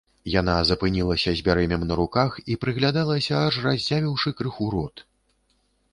Яна запынілася з бярэмем на руках і прыглядалася, аж разявіўшы крыху рот.